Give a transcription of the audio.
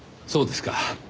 そうですか。